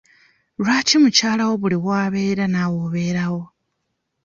Lwaki mukyalawo buli w'abeera naawe obeerawo?